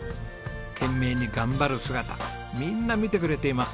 懸命に頑張る姿みんな見てくれています。